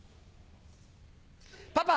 パパ。